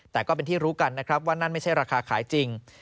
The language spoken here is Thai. แต่ก็เป็นที่รู้กันนะครับว่านั่นไม่ใช่ราคาขายจริง